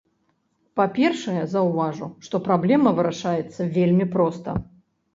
Па-першае, заўважу, што праблема вырашаецца вельмі проста.